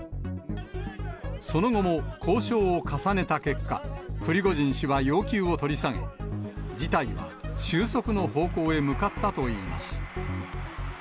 その後も交渉を重ねた結果、プリゴジン氏は要求を取り下げ、事態は収束の方向へ向かったといいます。